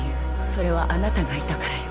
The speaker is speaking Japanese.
それはあなたがいたからよ。